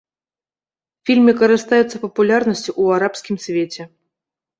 Фільмы карыстаюцца папулярнасцю ў арабскім свеце.